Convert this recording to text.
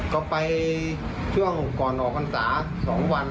ก็ไปช่วงก่อนออกคันศาสตร์๒วัน